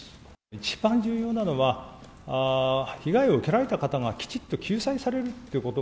一番重要なのは、被害を受けられた方がきちっと救済されるってこと。